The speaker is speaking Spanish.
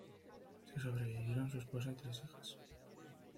Se sobrevivieron su esposa y tres hijas.